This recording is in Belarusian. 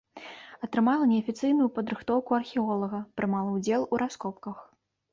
Атрымала неафіцыйную падрыхтоўку археолага, прымала ўдзел у раскопках.